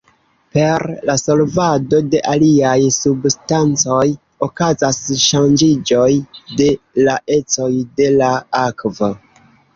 Per la solvado de aliaj substancoj okazas ŝanĝiĝoj de la ecoj de la akvo.